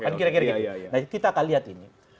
nah kita akan lihat ini